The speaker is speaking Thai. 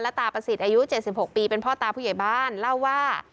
ตาประสิทธิ์อายุ๗๖ปีเป็นพ่อตาผู้ใหญ่บ้านเล่าว่า